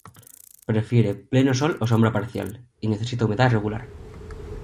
Prefiere pleno sol o sombra parcial y necesita humedad regular.